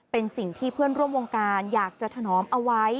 เป็นสิ่งที่เพื่อนร่วมวงการอยากจะถนอมเอาไว้